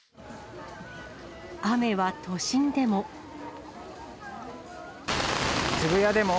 雨は都心でも。